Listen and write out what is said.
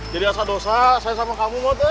jadi asal dosa saya sama kamu mot ya